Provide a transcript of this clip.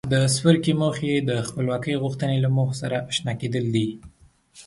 د څپرکي موخې د خپلواکۍ غوښتنې له موخو سره آشنا کېدل دي.